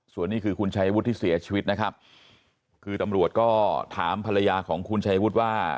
ส่วนนี้คือคุณชัยวุฒิที่เสียชีวิตนะครับคือตำรวจก็ถามภรรยาของคุณชายวุฒิว่า